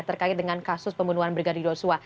terkait dengan kasus pembunuhan brigadir yosua